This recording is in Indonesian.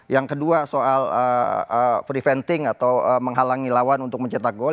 yang kedua soal preventing atau menghalangi lawan untuk mencetak gol